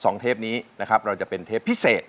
เทปนี้นะครับเราจะเป็นเทปพิเศษ